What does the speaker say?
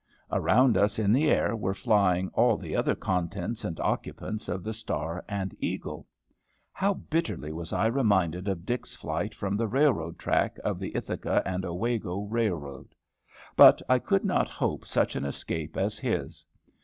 Around us in the air were flying all the other contents and occupants of the Star and Eagle. How bitterly was I reminded of Dick's flight from the railroad track of the Ithaca & Owego Railroad! But I could not hope such an escape as his.